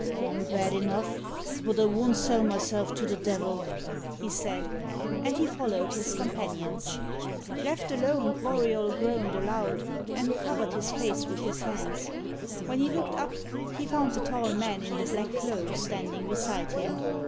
"I'm bad enough but I won't sell myself to the devil," he said. And he followed his companions. Left alone, Auriol groaned aloud, and covered his face with his hands. When he looked up, he found the tall man in the black cloak standing beside him.